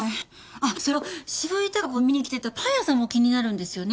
あっそれと渋井貴子が見に来ていたパン屋さんも気になるんですよね。